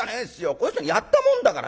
この人にやったもんだから。